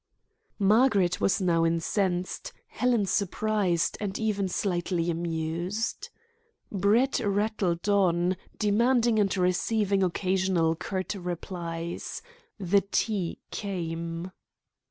Margaret was now incensed, Helen surprised, and even slightly amused. Brett rattled on, demanding and receiving occasional curt replies. The tea came.